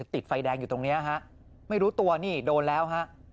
แต่ติดไฟแดงอยู่ตรงเนี่ยไม่รู้ตัวนี่โดนแล้ว